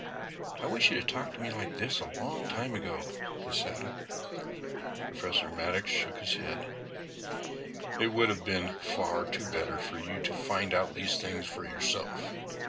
"I wish you had talked to me like this a long time ago," he said. Professor Maddox shook his head. "It would have been far better for you to find out these things for yourself.